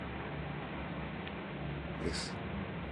Beca de Jóvenes Creadores.